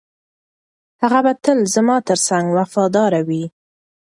هغه به تل زما تر څنګ وفاداره وي.